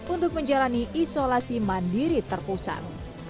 untuk menjalani isolasi mandiri terpusat